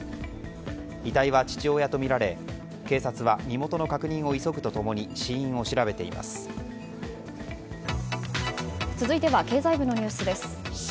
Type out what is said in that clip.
遺体は父親とみられ警察は身元の確認を急ぐと共に続いては経済部のニュースです。